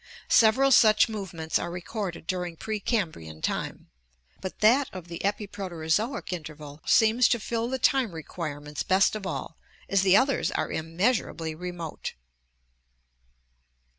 Several such movements are recorded during pre Cambrian time; but that of the Epi Proterozoic interval (see page 87), seems to fill the time requirements best of all, as the others are immeasurably remote.